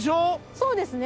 そうですね。